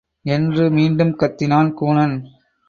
என்று மீண்டும் கத்தினான் கூனன்.